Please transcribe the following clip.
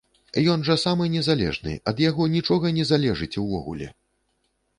Ён жа самы незалежны, ад яго нічога не залежыць увогуле!